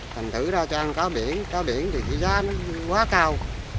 thành thử ra cho ăn cá biển cá biển thì giá nó quá cao